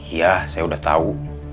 iya saya udah tau